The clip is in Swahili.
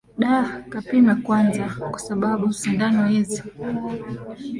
da kapime kwa sababu sindano hizi